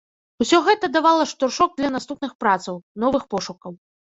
Усё гэта давала штуршок для наступных працаў, новых пошукаў.